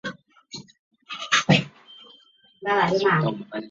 奥利安是美国纽约州卡特罗格斯郡的一个城市。